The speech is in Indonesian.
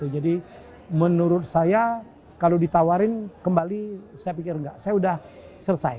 jadi menurut saya kalau ditawarin kembali saya pikir nggak saya udah selesai